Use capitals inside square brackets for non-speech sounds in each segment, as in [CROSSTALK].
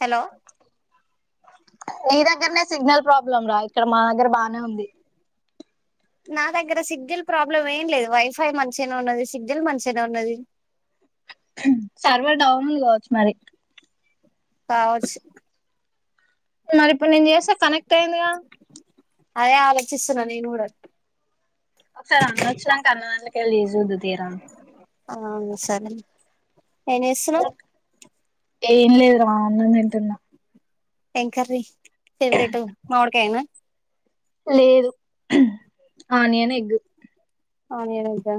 Hello నీ దగ్గరనే signal problem రా ఇక్కడ మా దగ్గర బానే ఉంది. నా దగ్గర సిగ్నల్ ప్రాబ్లం ఏం లేదు వైఫై మంచిగానే ఉన్నది సిగ్నల్ మంచిగానే ఉన్నది. సర్వర్ డౌను ఉంది కావచ్చు మరి కావచ్ మరి ఇప్పుడు నేను చేస్తే కనెక్ట్ అయిందిగా. అదే ఆలోచిస్తున్నా నేను గూడ ఒకసారి అన్న వచ్చినంక అన్న దాన్ల కెళ్ళి చేసి చూద్దు తీయర ఆ సరే ఏం చేస్తున్నావ్ ఏం లేదు రా అన్నం తింటున్నా ఏం కర్రీ ఫేవరేట్ కాయనా లేదు ఆనియన్ ఎగ్ ఆనియన్ ఎగ్గా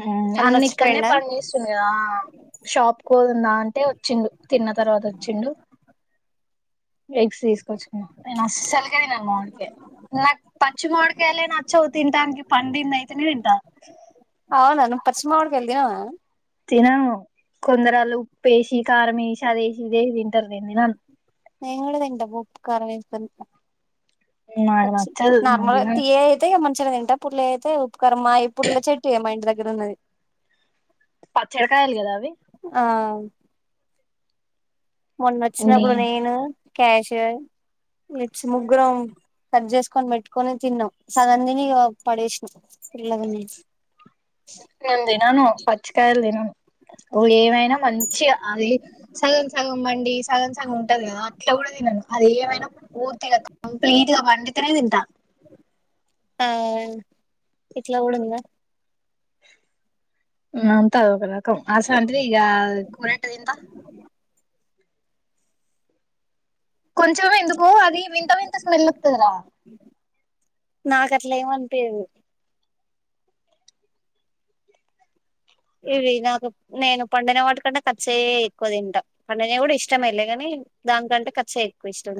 ఉమ్ అన్న ఇక్కడనే పనిచేస్తుంది. ఆ షాప్కు పోదాం దా అంటే వచ్చిండు. తిన్న తర్వాత వచ్చిండు. ఎగ్స్ తీసుకొచ్చిన. యా కొందరాళ్లు ఉప్పేసి కారమేసి అదేసి యిదేసి తింటారు నేను తినను. నెంగూడ తింట ఉప్ కారమేస్కోని తినను నాకు నచ్చదు నేను నార్మల్ గా తినను తియ్యగైతే ఏమన్ [UNINTELLIGIBLE] వింటప్పుడు లేదు కర్మ యి పుల్ల చెట్టుయ్యే మా ఇంటి దగ్ గ రున్నాయి పచ్చడికాయాలు గదా అవి ఆ నే మొన్నొచ్చినప్పుడు నేను క్యాష్ ఇట్స్ ముగ్గురం కట్ చేసుకొని పెట్టుకొని తిన్నాం సగం దిని ఇగ పడేసినాం పుల్లగున్నాయ్ నేను దినను పచ్చి కాయలు దినను నువ్వు ఏమైనా మంచిగా అది సగం సగం పండి సగం సగం ఉంటది గదా అట్లా గూడ దినను అది ఏమైనా పూర్తిగ కంప్లీట్ గా పండితేనే దింట తా ఇట్లా గూడ ఉందా ఊమ్ అసంటిది ఇగ కురెట్ట తింట కొంచెం ఎందుకు అది వింత వింత స్మెల్ వతుందిరా నాకు అట్లా ఏమనిపేదు ఇవి నాకు నేను పండిన వాటికంటే పచ్చివే ఎక్కువ తింటా పండనే కూడా ఇష్టమ వెళ్లే కాని దానికంటే పచ్చాయి ఎక్కువ ఇష్టం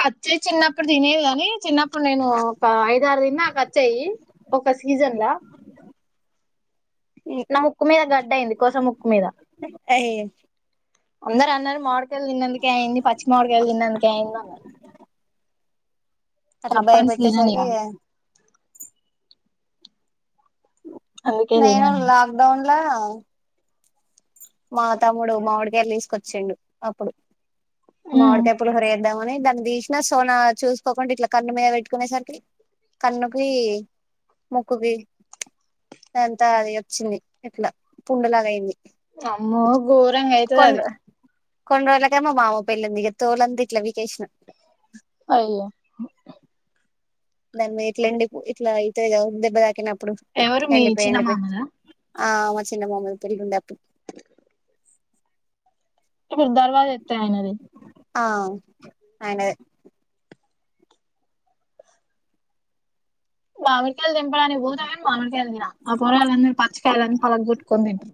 పచ్చివి చిన్నప్పుడు తినేది కని చిన్నప్పుడు నేను ఒక ఐద ఆరు తిని నాకు పచ్చివి ఒక సీజన్ నా ముక్కు మీద గడ్డ అయింది కోస ముక్కు మీద అ అందరు అన్నారు మామిడికాయలు తిన్నందుకే అయింది పచ్చి మామిడికాయలు తన్నందుకే అయింది అన్నారు అట్లా అప్పటి నుంచి తినను ఇగ భయపెట్టేసరికి అవి అందుకే నేను తినను లాక్డౌన్ లా మా తమ్ముడు మామిడి కాయలు తీసుకొచ్చిండు అప్పుడు మామిడి కాయ పులిహోర ద్దామని దాన్ని తీసినా సోన చూసుకోకుండా ఇట్లా కన్ను మీద పెట్టుకునేసరికి కన్నుకి ముక్కుకి అంతా అది వచ్చింది ఇట్లా పుడులాగ అయింది అమ్మ గోరంగా అయితుది అది కొన్ని కొన్ని రోజులకీ మా మామ పెళ్ళుంది ఇగ తోలంది ఇట్లవి అయ్యో దమ్ ఇట్లెండి ఇట్లా [UNINTELLIGIBLE] ఇద ఉందెబ్బ దాకనా ఎవరు మీ చిన్నమామనా ఆ అ మా చిన్నమామ పెళ్లుండే అప్పుడు గురు దరబ ఎతే ఏది [UNINTELLIGIBLE] ఆ అయనది మామిడికాయలు తింపడానికి పోదు కాని మామిడికాయలు తిన ఆ పొరా వాళ్ళందరరు పచ్చకాయాలని పలగొట్టుకని తింటాారు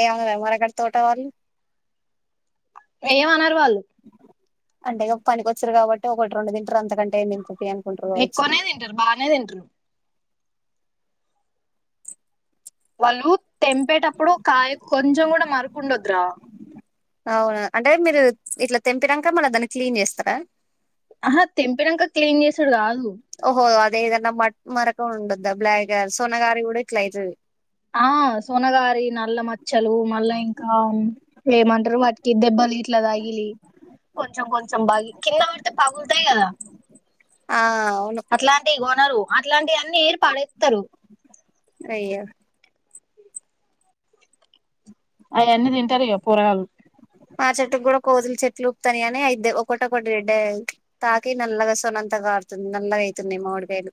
ఏ మరక్కడ తోట వాళ్ళు ఏమనారు వల్ అంటే పనికొచ్చారు కాబట్టి ఒకటి రెండు ద అంతకంటే ఎం తింటారు తీ అనుకుంటారు కావచ్చు ఎక్కువనే తింటారు బానే తింటారు వాళ్ళు తెంపేటప్పుడు కాయ కొంచెం కూడా మరుకుండొదురా అవును అంటే మీరు ఇట్లా తెంపినాక మళ్ళీ దాన్ని క్లీన్ చేస్తారా ఆహా తెంపినాక క్లీన్ చేసాడు కా ఓహో అ అదేదన్న మట్ మరకం ఉండద్దా బ్లాక్ గ సొన గారి కూడా ఇట్లాయితది ఆ సోనగారి నల్ల మచ్చలు మళ్ళా ఇంకా ఏమంటారు వాటికి దెబ్బలు గిలి కొంచెం కొంచెం బగి కింద పడితే పగులుతాయి కదా ఆ అవును అట్లాంటి అన్నారు అట్లాంటివన్నీ ఏర్ పడే అయ్యో అవి అన్నీ తింటారు ఇగ పోరగాళ్లు మా చెట్టుకు కూడా కోతులు చెట్లు ఉపుతాన్నయి గాని అయిదే ఒకట ఒకటి రెడ్డ తాకి నల్లగా సొనంత కారుతుంది నల్లగా అవుతున్నాయి మాడికాయలు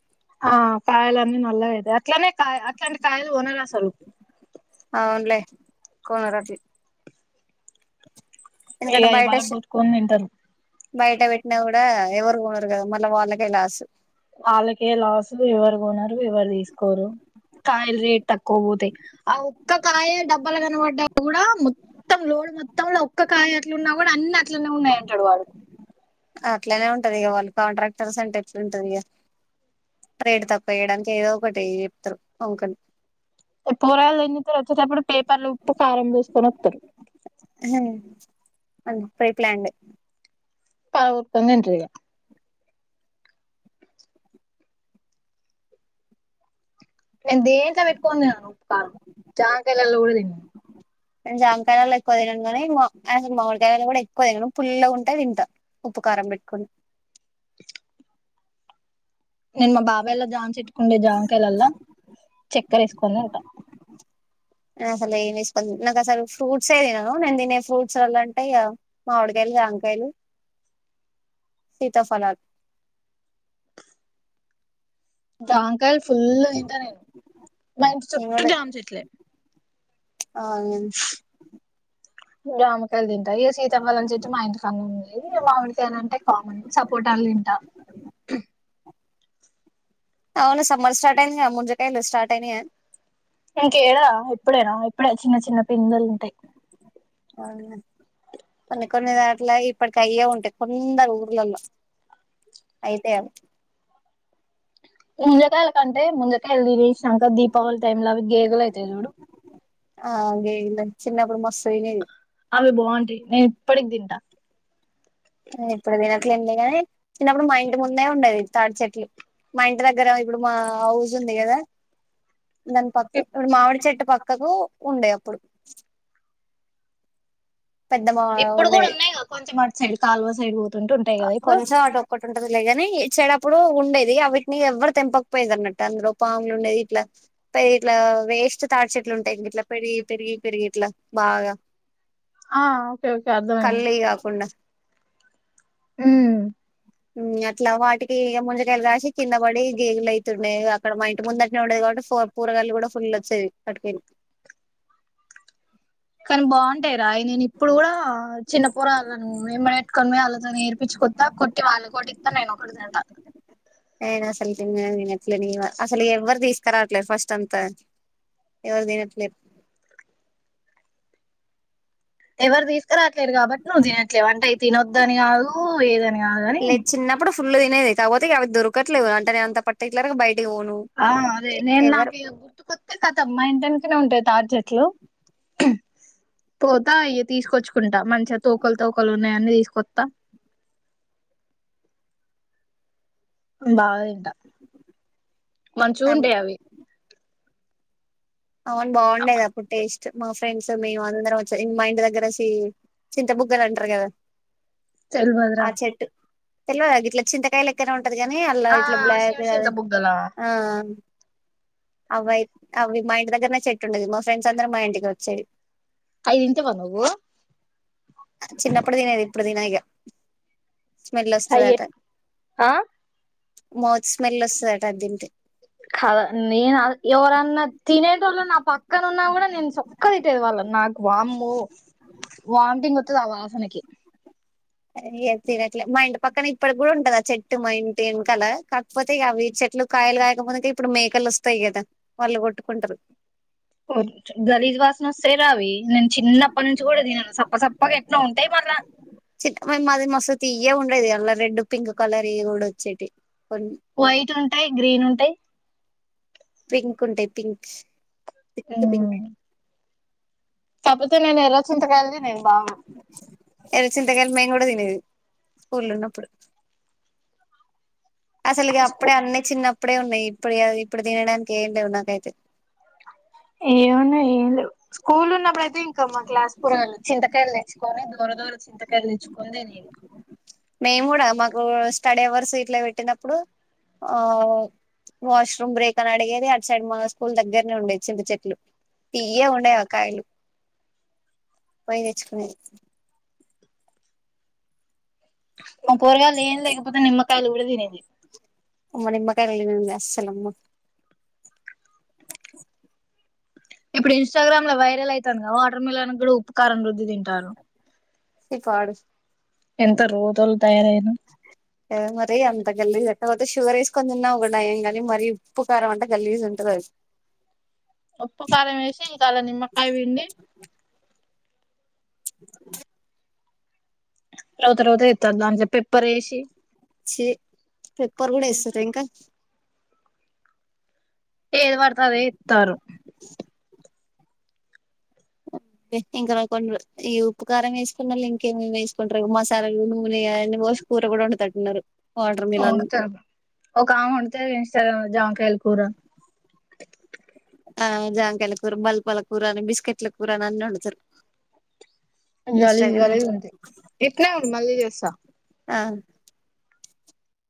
ఆ కాయలన్నీ నల్లగ అయితాయి అట్లానే కాయ అట్లాంటి కాయలు కొనరు అసలు అవునులే కొనరట్లు ఇగ ఎందుకంటే అవి బయట బలగొట్టుకొని తింటారు బయట వెట్టినా కూడా ఎవరు కొనరు గదా మళ్ళా వాళ్ళకే లాసు వాళ్ళకే లాసు ఎవరు గొనరు ఎవరు తీసుకోరు కాయలు రేట్ తక్కువ పోతాయి ఆ ఒక్క కాయ డబ్బలు కనబడ్డా కూడా మొత్తం లోడ్ మొత్తంలో ఒక్క కాయ అట్లు ఉన్నా కూడా అన్ని అట్లనే ఉన్నాయంటాడు వాడు అట్లనే ఉంటది ఇగ వాళ్ళు కాంట్రాక్టర్స్ అంటే ఎట్ల ఉంటది ఇక రేట్ తక్కువ వేయడానికి ఏదో ఒకటి చెప్తారు వూంకనే పోరగాళ్ళు ఏం చేత్తారు వచ్చేటప్పుడు పేపర్లు ఉప్పు కారం బోసుకొని వత్తరు అంత పైప్ల్యాండె పగలగొట్టుకొని తింటరు ఇగ నేను దేంట్లో పెట్టుకొని తినను ఉప్పు కారం జామకాయలలో కూడా దిన్ను నేను జామకాయలో ఎక్కువ దినను గానీ అసలు మామిడికాయలో గూడా ఎక్కువ తినను పుల్లగ ఉంటే దింటా ఉప్పుకారం పెట్టుకని నేను మా బాబాయొల్ల జామన్ చెట్టుకుండే జామకాయలల్లో చెక్కర ఏసుకోని దింట నేను అసలు ఏంది ఏసుకొని దిన్ను నాకసలు ఫ్రూట్సే దినను నేను దినేసి ఫ్రూట్స్ వల్ల అంటే. ఇగ మామిడికాయలు జాంకాయలు సీతాఫలాలు జాంకాయలు ఫుల్లు దింటా నేను మా ఇంటి చుట్టూ జాం చేట్లే ఆనియన్ జమకాయలు దింటా ఇగ సీతాకాలళం చేట్టు మా ఇంటికన్నె ఉంది మామిడికాయలంటే కామన్ సపోటాలు దింటా అవును సమ్మర్ స్టార్ట్ అయింది గా ముూంజు కాయలు స్టార్ట్ అయినయ ఇంకేడా ఇప్పుడేనా ఇప్పుడే చిన్న చిన్న పిందెలు ఉంటాయి అవునా కొన్ని కొన్ని దాట్లో ఇప్పటికి అయ్యే ఉంటాయి కొందరు ఊర్లలో అయితాయి అవి ముంజకాయల కంటే ముంజకాయ [UNINTELLIGIBLE] దీపావళి టైమ్ లో అవి గేగల అయితాయి జూడు నేన్ చిన్నప్పుడు మస్త్ తినేది అవి బాంటయి నేను ఇప్పటికి దింటా నేను ఇప్పుడు తినట్లేదు లే గాని చిన్నప్పుడు మా ఇంటి ముందే ఉండ అది థాటి చెట్లు మా ఇంటి దగ్గర ఇప్పుడు మా ఔస్ ఉంది గదా దాని ప ఇవ్వుడు మామిడి చెట్టు పక్కకు ఉండే అప్పుడు పెద్ద మా ఇప్పుడు గూడా ఉండేది ఉన్నాయి గా కొంచెం అటు సైడ్ కాల్వ సైడు కొంచెం అటు ఒక్కటి ఉంటది లేగ కానీ చెడప్పుడు ఉండేది ఆవిటిని ఎవ్వరు తెంపకపోయేది అన్నట్ట అందులో పాములు ఉన్నాయి ఇట్లా పె ఇట్లా వేస్ట్ తాడిచేట్లు ఉంటాయి ఇట్లా పెరిగి పెరిగి పెరిగి ఇట్లా బాగా ఆ ఓకే ఓకే అర్థమైంది కళ్ళయి కాకుండా ఉమ్ ఉమ్ అట్లా వాటికి ఇగ ముంజకాయలు కాసి కింద పడి గేగులు అయితుండే అక్కడ మా ఇంటి ముందట్నే ఉండేది కాబట్టి కూరగాయలు కూడా ఫుల్ వచ్చేది అటికెల్లీ కానీ బాగుంటాయి రా ఈ నేను ఇప్పుడు కూడా చిన్న పొరగాళ్ళని మేము ఎత్తుకొనిపోయి వాళ్ళతోని ఏరించుకొని కొత్త కొటై వాళ్ళం కోటిస్తా నేను ఒకటి తింట నేన్ అసలు తిన్నె తినన్ అలు అసలు ఎవరు తీస్ కరవట్లేదు ఫస్ట్ అంత ఎవరు తినట్లే ఎవరు తీసుకురాట్లేదు కాబట్టి నువ్వు తినట్లేవు అంటే తినొద్దుని కాదు ఏదన్ లే చిన్నప్పుడు ఫుల్ తినేది కాబపోతే ఇగ అవి దొరకట్లేదు అంటే నేను అంత పర్టిలర్గా బయట్ ఆ అదే నేను నాకి ఇగా గుర్తుకోతే కతమ్ మా ఇంట పక్కనే ఉంటాయి తాడి చెెట్లు పోతా ఇగ తీసుకొచ్చుకుంటా మంచిగా తోకలు తోకలు ఉన్నాయని తీసుకొస్తా బాగా తింటా మంచూ ఉండే అవి అవును బాగుండేది అప్పుడు టేస్ట్ మా ఫ్రెండ్స్ మేము అందరం వచ్చ మా ఇంటి దగ్గర సి చింత బుగ్గలు అంటరు గదా తెల్వదుర తెల్వద గిట్ల చింతాకాయ లక్కనే ఉం ది కాని అల్లా ఆ ఇట్లా బ్లాక్ శివచింత అది బుగ్గలా ఆ అవయి అవి మయిట్ ఇంటి దగ్గరనే చెట్టుండేది మా ఫ్రెండ్స్ అందరు మా ఇంటికి ఒచ్చేది ఐ తింటావ నువు చిన్నప్పుడు తినేది ఇప్పుడు తిన ఇగ స్మెల్ అయ్యే వస్తదట ఆ మౌత్ స్మెల్ ఒస్తదట అది తింటే కదా నేను ఆ ఎవరన్నా తినేటోళ్ళు నా పక్కన ఉన్నా కూడా నేను చుక్క తిట్టేది వాళ్ళన్ నాకు వామ్మో వామిటింగ్ వతది ఆ వాసనకి అ తినట్లే మా ఇంటి పక్కన ఇప్పటి కూడా ఉంటది ఆ చెట్టు మా ఇంటి ఎన్కాల కాకపోతే అవి చెట్లు కాయలు కాయకపోతే ఇప్పుడు మేకలు వస్తాయి కదా వాళ్ళు కొట్టుకుంటారు ఓహ్ గం గలీజ్ వాసన వస్తే రా అవి నేను చిన్నప్పటి నుంచి కూడా తినను సప్ప సప్పగా ఎట్లా ఉంటాయి మల్ల చిన్న మ మాది మస్త్ తీయగుంటాయి కదా అలా రెడ్ పింక్ కలర్ ఇవ్ కూడా వచ్చేటివి కొన్ని వైట్ టూన్ ఉంటాయి గ్రీన్ ఉంటాయి పింక్ ఉంటాయి పింక్స్ తిక్ పింక్ కాకపోతే నేను ఎర్ర చింతకాయలు దినేది బాగును ఎర్ర చింతకాయలు మేము తినేది స్కూల్లో ఉన్నప్పుడు అసలుకి అప్పుడే అన్ని చిన్నప్ ఇప్పుడే ఉన్నాయి ఇప్పుడు ఇప్పుడు తినడానికి ఏం లేవు నాకైతే ఏమన్నా ఏం లేవు స్కూల్ కొని దోర దోర చింతకాయలు తెచ్చుకొని తినేది మేము కూడా మాకు స్టడీ అవర్స్ ఇట్ల పెట్టినప్పుడు ఆ వాష్రూమ్ బ్రేక్ అని అడిగేది అటు సైడ్ మా స్కూల్ దగ్గరనే ఉండేది చింత చెట్లు తియ్య ఉండేయి ఆకాయలు పోయి తెచ్చుకునేది మా పోరగాళ్ళు ఏం తేకపోతె నిమ్మ కాయలు గూడ తినేది ఓ నిమ్మకాయలు [UNINTELLIGIBLE] అస్సల్ అమ్మ ఇప్పుడు ఇన్స్టాగ్రామ్ లో వైరల్ ఐతంది కదా వాటర్ మిలన్ గూడా ఉప్పుకారం రుద్ధి తింటండ్రు చి పాడు ఎంత రోతల్ మరి అ గల్లీజ్ ఎకపోతే షుగర్ ఏసుకొని తిన ఒక నయం కాని మరి ఉప్పు కారం అంటా గల్లీజ్ ఉంటది అది ఉప్పు కారం ఏషి ఇంకా అలా నిమ్మకాయ విండి [UNINTELLIGIBLE] రోత రోత చెత్తరు దాంట్లో పెప్పర్ ఏసీ చి పెప్పర్ గూడా ఏస్తార ఇంకా ఏది పడితే అదే ఏతారు పెట్ ఇంకా కొనరు ఈ ఉప్పుకారం వేసుకున్నోళ్లు ఇంకేమేమి వేసుకుంటారు మసాలాలు నూనె అయి అన్నీ పోసి కూర కూడా వండెతంటున్నారు వండుతారు ఒకామె వంటజేస్తరు జామకాయలు కూర ఆ జాంకయాల కూరు బల్పల్ల కూరనా బిస్కెట్ల కూరనా అన్ని వండుతారు జాలి జాలి ఇన్స్టాగ్రామ్ గా ఉంది ఇట్లే ఉండు మళ్ళీ చేస్తా ఆ